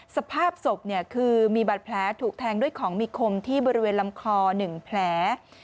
สภาพศพคือมีบาดแผลถูกแทงด้วยของมีคมที่บริเวณลำคอ๑แผล